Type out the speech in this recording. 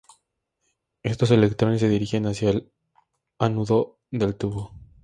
Estos electrones se dirigen hacia el ánodo del tubo.